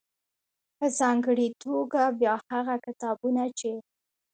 .په ځانګړې توګه بيا هغه کتابونه چې